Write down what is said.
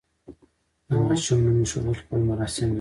د ماشوم نوم ایښودل خپل مراسم لري.